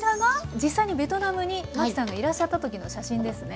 実際にベトナムにマキさんがいらっしゃったときの写真ですね。